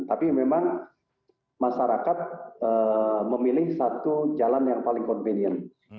tapi memang masyarakat memilih satu jalan yang paling convenient